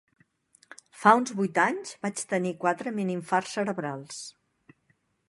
Fa uns vuit anys vaig tenir quatre mini-infarts cerebrals.